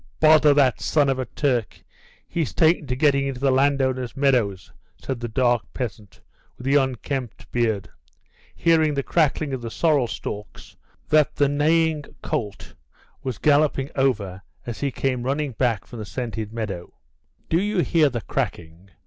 "Bother that son of a Turk; he's taken to getting into the landowner's meadows," said the dark peasant with the unkempt beard, hearing the cracking of the sorrel stalks that the neighing colt was galloping over as he came running back from the scented meadow. "Do you hear the cracking?